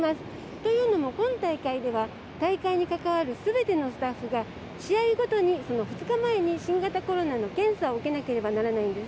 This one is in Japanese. というのも、今大会では大会に関わる全てのスタッフが試合ごとにその２日前に新型コロナの検査を受けなければならないんです。